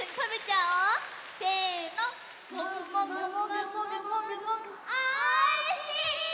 おいしい！